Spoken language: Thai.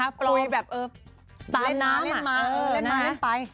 ปล่วยแบบเล่นไป